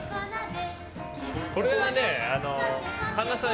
これは神田さん